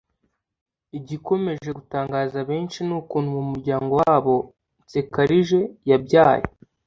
Igikomeje gutangaza benshi ni ukuntu mu muryango w’abo Nsekarije yabyaye